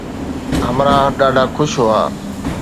همراهه ڏاڍا خوش هئا